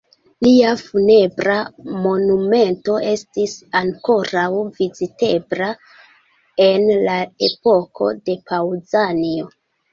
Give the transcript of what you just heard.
Lia funebra monumento estis ankoraŭ vizitebla en la epoko de Paŭzanio.